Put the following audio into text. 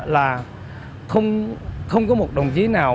là không có một đồng chí nào